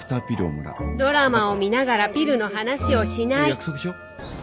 ドラマを見ながらピルの話をしない。